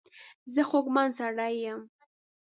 زه خوږمن سړی یم.